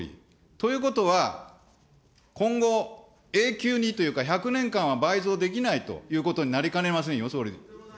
ということは、今後、永久にというか、１００年間は倍増できないということになりかねませんよ、総理。